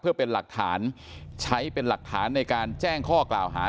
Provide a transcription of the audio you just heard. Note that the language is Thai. เพื่อเป็นหลักฐานใช้เป็นหลักฐานในการแจ้งข้อกล่าวหา